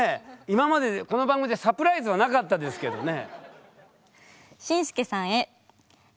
今までこの番組でサプライズはなかったですけどね。